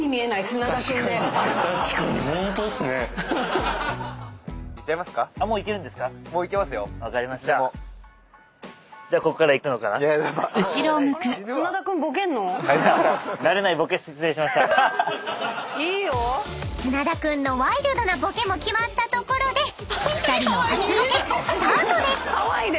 ［砂田君のワイルドなボケも決まったところで２人の］